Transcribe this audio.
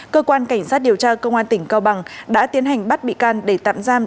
cơ quan cảnh sát điều tra công an tỉnh cao bằng đã tiến hành bắt bị can để tạm giam